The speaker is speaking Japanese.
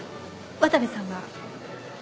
渡部さんは？